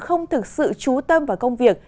không thực sự trú tâm vào công việc